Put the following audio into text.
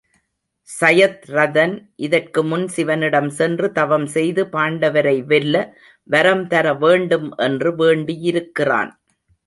சயத்ரதன் இதற்குமுன் சிவனிடம் சென்று தவம் செய்து பாண்டவரை வெல்ல வரம் தர வேண்டும் என்று வேண்டியிருக்கிறான்.